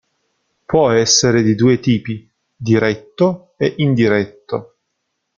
Può essere di due tipi: "diretto" e "indiretto".